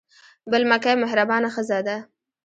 بل مکۍ مهربانه ښځه ده.